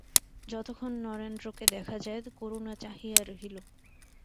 যতক্ষণ নরেন্দ্রকে দেখা যায় করুণা চাহিয়া রহিল।